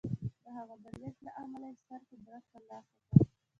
د هغه د لېږد له امله یې ستر قدرت ترلاسه کړ